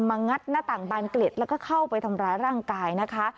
งัดหน้าต่างบานเกล็ดแล้วก็เข้าไปทำร้ายร่างกายนะคะ